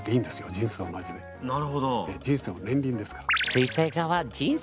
人生も年輪ですから。